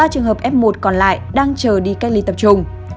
ba trường hợp f một còn lại đang chờ đi cách ly tập trung